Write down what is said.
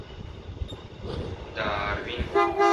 داروېن.